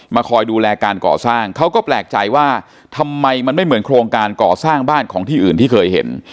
คอยดูแลการก่อสร้างเขาก็แปลกใจว่าทำไมมันไม่เหมือนโครงการก่อสร้างบ้านของที่อื่นที่เคยเห็น